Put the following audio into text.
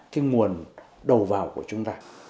đó là nguồn đầu vào của chúng ta